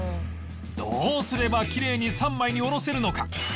どうすればきれいに３枚におろせるのか？